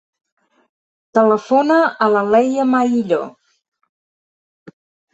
Telefona a la Leia Maillo.